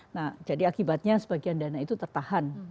nah jadi akibatnya sebagian dana itu tertahan